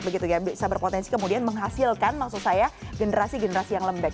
bisa berpotensi kemudian menghasilkan maksud saya generasi generasi yang lembek